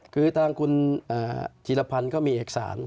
คือตามคุณจิตภัณฑ์เขามีเอกสาร